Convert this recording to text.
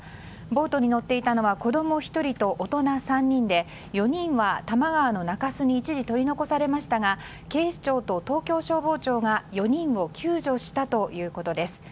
ボートに乗っていたのは子供１人と大人３人で４人は多摩川の中洲に一時取り残されましたが警視庁と東京消防庁が４人を救助したということです。